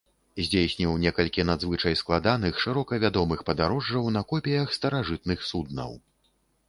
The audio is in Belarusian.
Здзейсніў некалькі надзвычай складаных шырока вядомых падарожжаў на копіях старажытных суднаў.